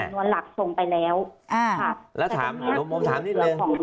สำนวนหลักส่งไปแล้วอ่าแล้วถามผมถามนิดหนึ่ง